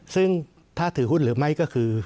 ซึ่งถ้าถือหุ้นหรือไม่ก็คือ